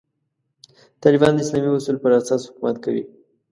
طالبان د اسلامي اصولو پر اساس حکومت کوي.